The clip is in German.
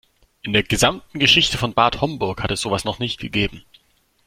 In der gesamten Geschichte von Bad Homburg hat es sowas noch nicht gegeben.